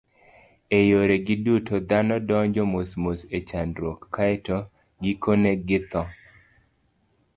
E yoregi duto, dhano donjo mosmos e chandruok, kae to gikone githo.